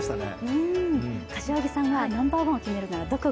柏木さんはナンバーワンを決めるのはどこが？